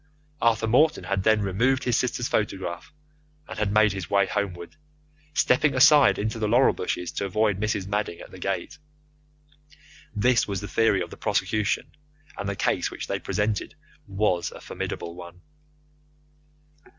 Arthur Morton had then removed his sister's photograph, and had made his way homeward, stepping aside into the laurel bushes to avoid Mrs. Madding at the gate. This was the theory of the prosecution, and the case which they presented was a formidable one.